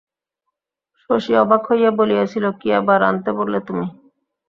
শশী অবাক হইয়া বলিয়াছিল, কী আবার আনতে বললে তুমি?